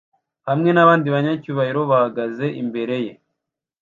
hamwe nabandi banyacyubahiro bahagaze imbere ye